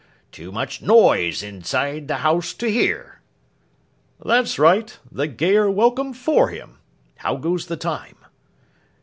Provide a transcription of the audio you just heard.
Too much noise inside the house to hear.' 'That's right! The gayer welcome for him. How goes the time?